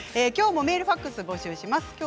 きょうもメール、ファックス募集します。